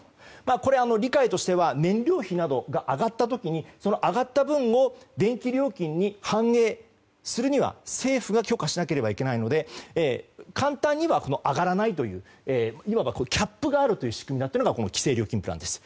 これは理解としては燃料費などが上がった時にその上がった分を電気料金に反映するには、政府が許可しなければいけないので簡単には上がらないといういわばキャップがあるという仕組みになっているのがこの規制料金プランです。